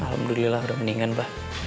alhamdulillah udah mendingan abah